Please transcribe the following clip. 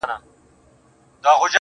يوه غټ سترگي دومره لېونتوب ته رسيدلې,